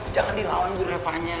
jangan dilawan bu revanya